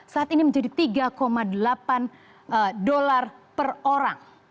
saat ini menjadi tiga delapan dolar per orang